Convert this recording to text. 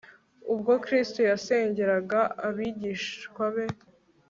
Ubwo Kristo yasengeraga abigishwa be